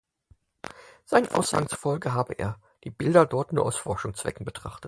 Seinen Aussagen zufolge habe er die Bilder dort nur aus Forschungszwecken betrachtet.